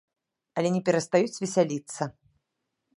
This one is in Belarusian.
Але не перастаюць весяліцца.